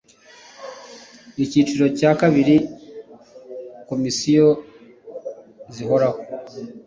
icyiciro cya ii komisiyo zihoraho